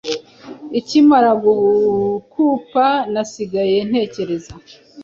Akimara gukupa nasigaye ntekereza